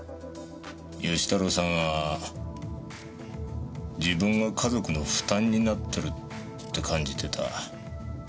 義太郎さんは自分が家族の負担になってるって感じてた。